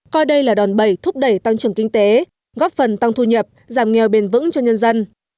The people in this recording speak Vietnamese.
coi đây là đòn bẩy thúc đẩy tăng trưởng kinh tế góp phần tăng thu nhập giảm nghèo bền vững cho nhân dân